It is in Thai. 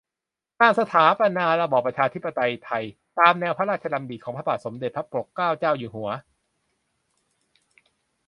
การสถาปนาระบอบประชาธิปไตยไทย ตามแนวพระราชดำริของพระบาทสมเด็จพระปกเกล้าเจ้าอยู่หัว